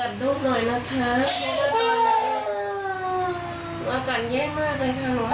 นี่ก็คือความช่วยเหลือนะคะ